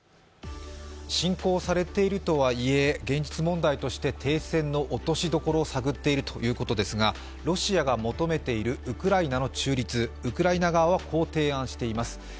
侵攻されているとはいえ現実問題として停戦の落としどころ探っているということですがロシアが求めているウクライナの中立、ウクライナ側はこう提案しています。